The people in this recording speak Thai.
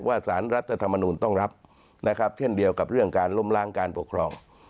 ว่าศาลรัฐธรรมนุนต้องรับเท่าเดียวกับเรื่องการล้มล้างการปกครอง